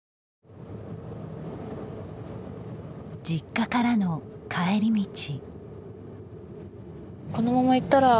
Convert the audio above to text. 実家からの帰り道。